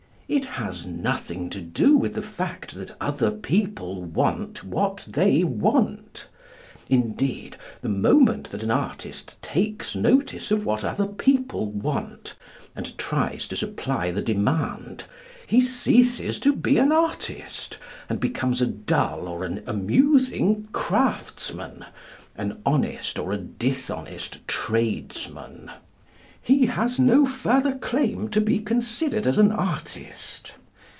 It has nothing to do with the fact that other people want what they want. Indeed, the moment that an artist takes notice of what other people want, and tries to supply the demand, he ceases to be an artist, and becomes a dull or an amusing craftsman, an honest or a dishonest tradesman. He has no further claim to be considered as an artist.